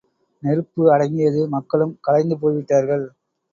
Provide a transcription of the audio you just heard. நெருப்பு அடங்கியது, மக்களும் கலைந்து போய்விட்டார்கள்.